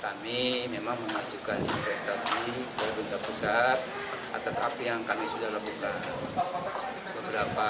kami memang memajukan investasi pemerintah pusat atas api yang kami sudah lakukan beberapa